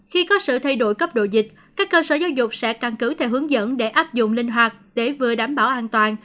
khi có sự thay đổi cấp độ dịch các cơ sở giáo dục sẽ căn cứ theo hướng dẫn để áp dụng linh hoạt để vừa đảm bảo an toàn